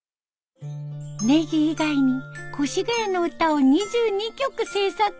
ネギ以外に越谷の歌を２２曲制作。